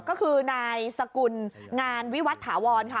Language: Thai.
ก็คือนายสกุลงานวิวัตถาวรค่ะ